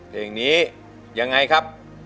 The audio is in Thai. เพลงนี้ยังไงครับ